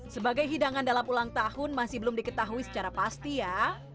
sebagai hidangan dalam ulang tahun masih belum diketahui secara pasti ya